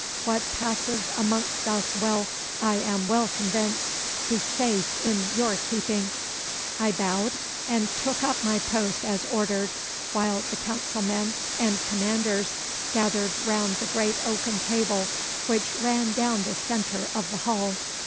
What passes amongst us will, I am well convinced, be safe in your keeping.' I bowed and took up my post as ordered, while the council men and commanders gathered round the great oaken table which ran down the centre of the hall.